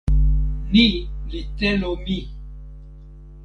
ni li telo mi!